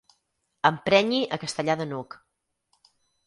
Emprenyi a Castellar de n'Hug.